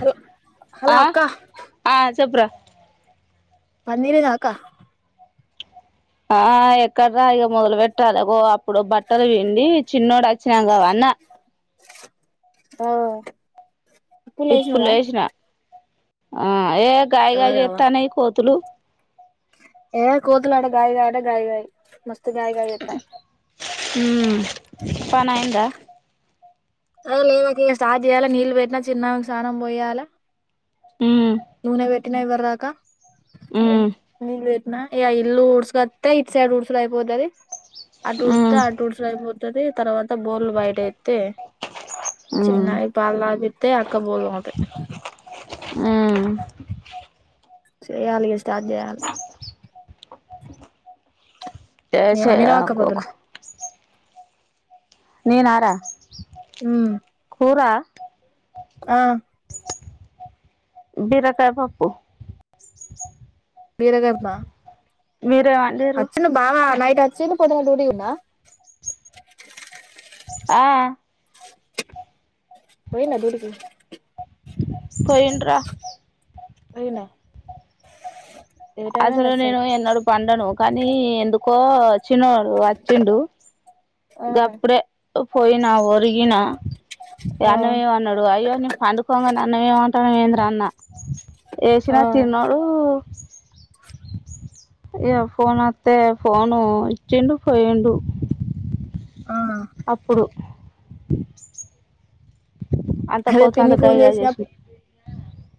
Hello hello ఆ అక్క ఆ చెప్పురా పన్నీరేగాక్క ఆ ఎక్కరా. ఇగా మొదలు పెట్టాలగో అప్పుడు బట్టలు విండి. చిన్నోడు వచ్చినాంకాపన్న. ఆహ్ ఇప్పులేసిన ఆ ఏ గై గై అవునవ్వ జేతన్నాయ్ కోతులు ఏ కోతులాట గాయ్ గాయట గాయి గాయి మస్తు గాయి గాయి చేతన్నాయ్ హ్మ్ పనైయిందా అరే లేవకే స్టాట్ చేయాలా నీళ్ళు పెట్నా చిన్నవాకి స్నానం పోయ్యాల. ఉమ్ టినా ఇవ్వర్దాక లేవు ఉమ్ నీల్ పెట్ నాయ ఇల్లు ఊడ్స్కతే ఇట్ సైడ్ ఊడ్సుడాయిపోతది. అటు ఉమ్ ఊడ్తే అటుడ్చుడాయిపోతది. తర్వాత బోర్లు బయటేతే. ఈ ఉమ్ చిన్నయి పాల్తపితే, అక్క బోల్రూ తొంతద్ ఆహ్ సేయ్యలీగా స్టార్ట్ జయాలా [inaudible] తెసే ఆకోక నేనారా మ్మ్ కురా ఆ బీరకాయ పప్పు బీర గర్భ మీరేం వండిర్రు అచ్చను బావ నా వచ్చిండు పొద్దున్న డ్యూటీ ఉన్నా ఆ పోయిండా డ్యూటీకి పోయిండ్రా [inaudible] అయింది అసలు నేను వచ్చేసరికి ఎన్నాడు పండను కానీ ఎందుకు కొ చిన్నోడు వచ్చిండు ఆ అ అప్పుడే పోయినా ఒరిగిన ఆ అన్నమేమన్నాడు అయ్యో న పండుకోంగ అన్నమేమంట రణవేంద్ర అన్న ఆ వేసినా తిన్నాడు ఫోన్ ఒత్తే ఫోన్ ఇచ్చిండు పోయిండు ఆ అప్పుడు అ అదే పిన్ని ఫోన్ గయ్ చేసినా చేసి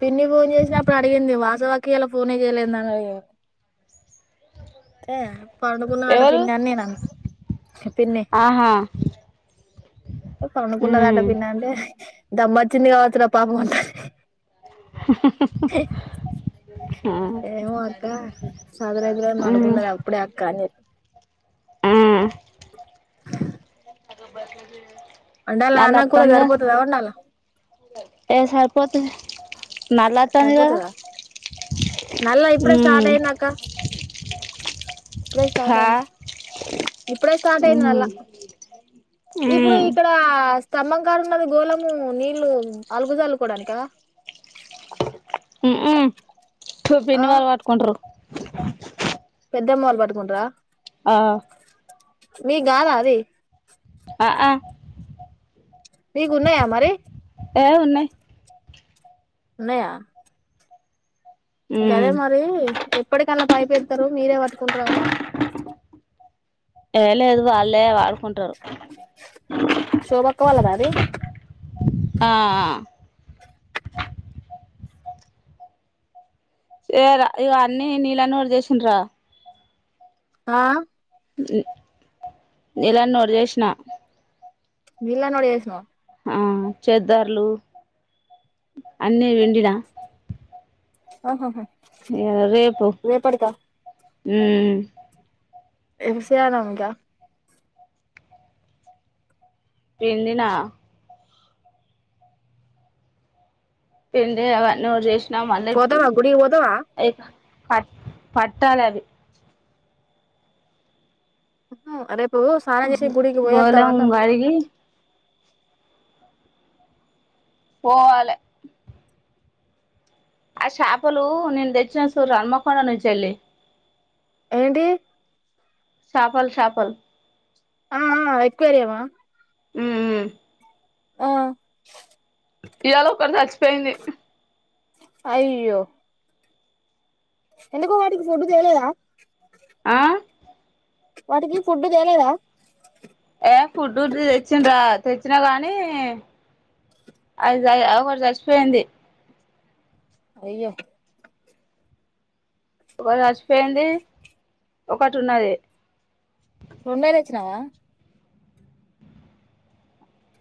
పిన్ని ఫోన్ చేసినా అప్పుడు అడిగింది వాసవా ఇయ్యాల ఫోనే చేయలేదు నాకు అ ఏ పడుకున్నదాట ఎవరు పిన్నన్నేనా పన్నే ఆహా పకున్నదాట మ్మ్ పిన్న అంటే దమ్మ చిన్నగా అత పాప ఉంత [inaudible] ఏమో అక్క సాదరైతుగా అనుకున్నది అప్పుడే అక్క అని ఆ అదబ్బర్లది వండాల అన్న కూర సరిపోతద వండాల పద్ సరిపోతదా నల్ల ఇప్పుడే స్టార్ట్ మ్మ్ అయింద అక్క ఇప్పుడే స్టార్ట్ హా అయింది ఇప్పుడే స్టార్ట్ అయింది మ్మ్ నల్లా ఇప్పుడు మ్మ్ ఇక్కడ అ స్థంభం కాడున్నది గోళం నీళ్లు అలుకుజల్లు కోడానికా ఉ ఉ ఆ పిన్ని వాళ్ళు వటుకుంట్రు పెద్ద అమ్మ వాళ్ళ పటుకుంటరా ఆ మీగ్గదా అది ఆ ఆ మీకు ఉన్నాయా మరి ఏహె ఉన్నాయి ఉన్నయ గదే ఉమ్ మరి ఎప్పటికండ్ల పైపెతారు మీరే పట్టుకుంటారు అని ఎ లేదు వాళ్ళే వాళ్ శోభక్కవాల్ల దా అది ఆ ఏ రా ఇవ అన్నీ నీళ్ళన్నెవడు చేసిండ్రా ఆ నీళ్లన్ని ఒడచేశిన నీళ్లన్ని ఒడ చేసినవా ఆ చేద్దర్లు అన్నీ విన్డినా ఆహహా ఎ రేపు హ్మ్ ఎంసియన ఇంకా పిండిన పిండిన అవ్వన్నీ ఎవరు చేసి పోతవ గుడికి పోతావా పట్ పట్టాల అది మ్ రేప్ గోళం గడిగి పోవాలే ఆ షాపలు నేను తెచ్చిన సూడ్ర హన్మకొండ నుంచెల్లి ఏంటియి షాపల్ షాపల్ ఆ ఆ ఎక్వేరియమా ఉ ఉ ఆ ఇవాళ ఒక్కటి చచ్చిపోయింది అయ్యో ఎందుకో వాటికి ఫుడ్ తెలేదా ఆ వాటికి ఫుడ్ తేలేదా ఏ ఫుడ్ తెచ్చిండ్రా తెచ్చినా గానీ అది ఒకటి చచిపోయింది అయ్యో ఒకటీ చచ్చిపోయింది ఒకటి ఉన్నది వచ్చినవా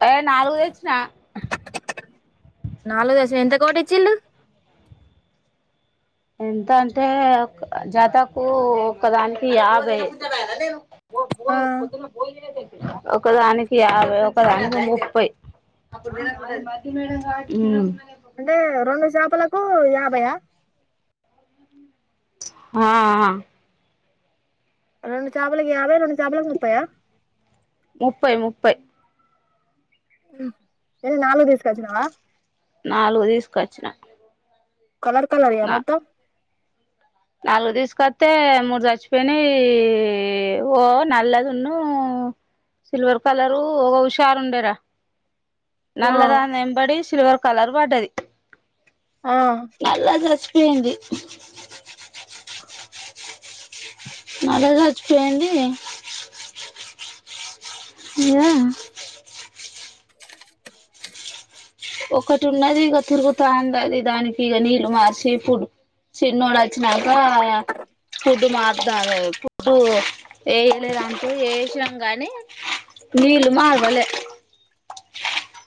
ఏ నాలుగు తెచ్చిన కోటీచ్చున్రు ఎంత అంటే జతకు ఒకదానికి యాభై బ బ ఆ కొద్తుంలో బోయ లేద ఒకదానికి యాభై ఒకదానికి ముప్పై హ్మ్ అంటే రెండు చేపలకు యాభై ఆ ఆ ఆ రెండు చాపులకి యాభై రెండు చాపలకి ముప్పయ ముప్పై ముప్పై ఏ నాలుగు తీసుకు వచ్చినవా నాలుగు తీసుకొచ్చిన కలర్ కలర్ ఆ నా మొత్తం నాలుగు తీసుకొస్తే మూడు చచ్చిపోయినా ఓ నల్లదున్న సిల్వర్ కలరు ఒక హుషారు ఉండేరా ఆ నల్ల దాని ఎంబడి సిల్వర్ కలర్ పడ్డది ఆ మలాజచ్చ ఏంది మళ్ళా జచ్చిపోయింది ఇయా ఒకటి ఉన్నది ఇక తిరుగుతాంది అది దానికి ఇక నీళ్లు మార్చి ఫుడ్ చిన్నోడు వచ్చినాక ఫుడ్డు మారుత ఫుడ్డు వేయలేదంటే వసాం గానీ నీళ్ళు మగలే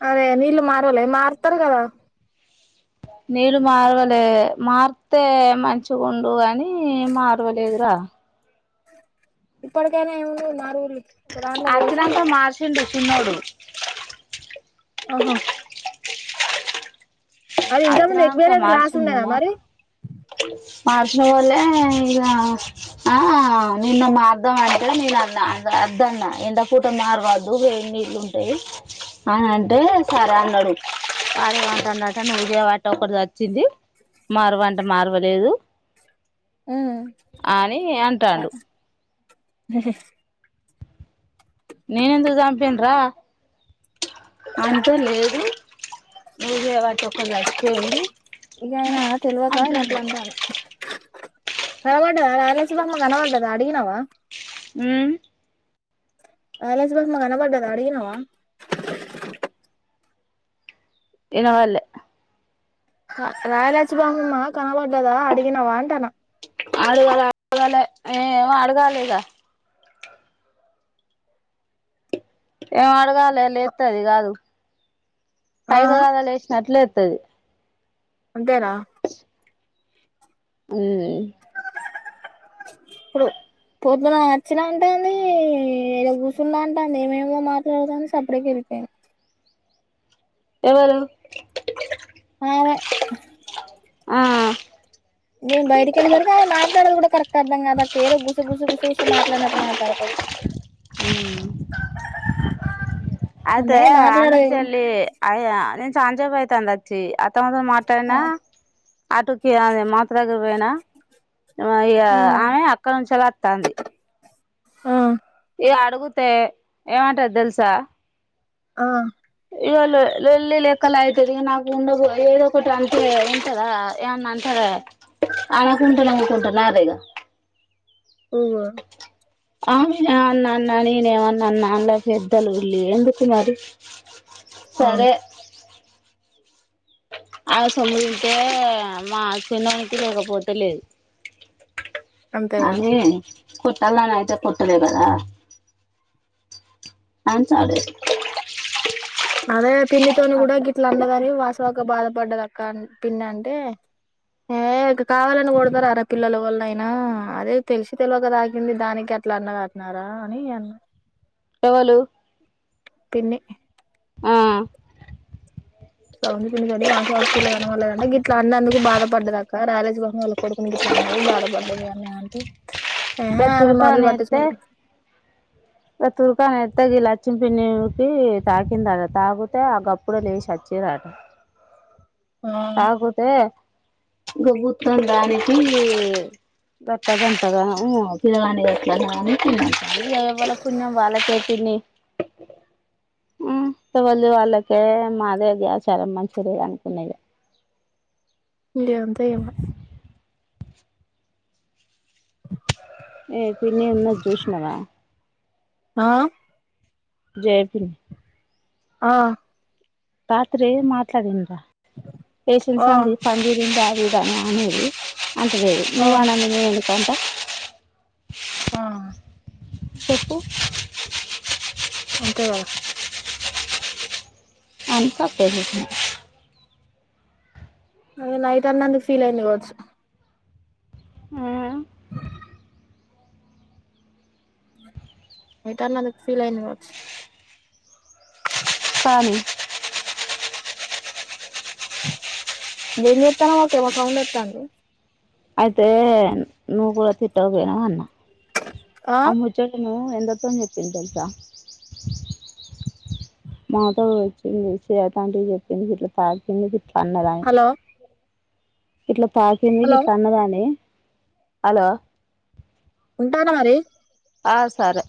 అరే నీళ్ళు మారవాల మారుతారు కదా నీళ్ళు మారవలే మార్తే మంచిగుండు కాని మారవలేదురా ఇప్పటికేనా న ఆచ్చినంత మార్సిండు సున్నాోడు ఆహా అది ఇంతమంది అచ్చినంక ఎకువేడానికి క్లాస్ మార్చిండు ఉండేదా మా మరి మార్చిన వాళ్ళే ఇగ ఆ నిన్ను మార్దాం అంటే నేనున్నా అద్దన్న ఎంత పూట మారవద్దు ఏ నీళ్లు ఉంటాయి అని అంటే సరే అన్నాడు అదేమంట అన్నట నువ్వుదే వాట్ట ఒకటి వచ్చింది మార్వంట అ మార్వలేదు అని అంటాండు హ్మ్మ్ నేనెందుకు చంపన రా అంతే లేదు నువ్వే వాటి ఒరు జచ్చిపోయింది ఇకయినా తెలివక ఆయన అట్లా అంటాఉండు కనబడ్డద నాగల్ సుబ్బమ్మ అడిగినవా ఉమ్ నగల సుబ్బమ్మ కనబడ్డద అడిగినావా ఇనవల్లె రాయల సుబ్బమ్మ కనబడ్డదా అడిగిన వా అంటాన అడగాలే అడగాలే ఏ ఏమో అడగాలిగ ఏ మడుగాల్ లే లేతది కాదు ఆ ఐదుగాదలే లేసినట్లే ద్ అది అంతేనా ఉమ్ ఇప్పుడు పొద్దున నచ్చినా అంటేనే ఇడకూసున్న క అంటాంది ఏమేమో మాట్లాడుతన్ది సప్డుగా వెళ్ పోయిన ఎవరు ఆ ఆ నేను బయటకి వెళ్ళేసరికి ఆయన మాట్లాడదు కూడా కరెక్ట్ అర్థం కాదా ఏదో గుసగుస గుసగుస మాట్లాడినట్టు మాట్లాడుతది అయితే ఆమె అ నుంచి మాట్లాడదు ఎల్లి ఆ యా నే సంచేపయితంది వొచ్చి అ త్తమ్మ తో ఆ మాట్లాడినా అటుకి ఆమె మాత్రగ్ రేనా ఆయా ఆ ఆమె అక్కడ నుంచిలాత్ తంది ఆ ఇక అడుగుతే ఏమంటారు తెలుసా ఆ ఇవాళ వెల్లి లెక్కలు అయ్తది ఇగ నాకు ఉండబ ఏదో ఒకటి అంటె ఉంటారా ఏమన్న అంటారా అనుకుంటున్నా అనుకుంటున్నారీ ఓ మా ఆమే నన్నని ఏమన్నా అన్నా [unintelligible] ఎందుకు మరి అవును సరే ఆమె సొమ్ము తింటే మా చిన్నానికి ఒక పూట లేదు అంతే కదా అదే [unintelligible] అయితే కుట్టలే కదా అంచలే అదే పిన్నితోను కూడా గిట్ల అన్నదని వాస్ తక బాధపడ్డద అక్క అ పిన్ అంటే ఏ కావాలని బాధపడ్డది అని పిన్ని అంటే ఏ కావాలని కొడతారార పిల్లలు వాల్లన్అయినా అదే తెలిసి తెలియక తాగింది దానికి అట్లా అన్నది అట్న్నారా అని అన్నా ఎవలు పిన్ని ఆ సౌంది పిన్నితోటి వాసు అక్కిళ్ళ కనపడలేదంటే గిట్లా అన్నందుకు బాధపడ్డది అక్క రాలేజ్ బహు వాళ్ళ కొడుకుని గిట్లా అన్నది బాధపడ్డది అని అంటే గా ఏహే ఆమె మాటలు తూర్కని ఎత్తే పట్టించుకోలే గా తూర్కని కొత్తగి లక్చింపిన్ని తాకిందాట తాకితే ఆ గప్పుడ లేసి వచ్చిర్రట ఆ తాగుతే గబుతుడా దానికి గొప్ప డంటగా ఎవళకున్నాం వాళ్ళకే తిన్నివళ వాళ్ళకే మాదేది చాలా మంచి అనుకున్నా ఇగ ఇది అంతే ఏమా [unintelligible] ఏ పిన్నీ ఉన్న జూష్ణవా ఆ జయపిన్ని ఆ రాత్రే మాట్లాడింట పేషన్ ఆ సంది పనితీరింద ఇద ననుది అంట లేదు ఆ నువ్వా నన్న దంట ఆ చెప్పు తే కాద అంత పెజజన అదే నైట్ అన్నందుకు ఫీల్ అయింది కావచ్చు మ్మ్ నైట్ అన్నందుకు ఫీల్ అయింది కావచ్చు కానీ ఏం చేత్తనవక్క ఏమో సౌండ్ వత్తంది అయితే నువ్వు కూడా తిట్టకపోయినావ అన్నా ఆ ముచ్చటను ఎందరితోను చెప్పింది తెలుసా మాతో వచ్చింది స్వేతాంటికి చెప్పింది ఇట్లా [unintelligible] పన్నదా హలో ఇట్ల తాకింది హలో ఇట్ల అన్నదానే హలో టనా మరి ఆ సరే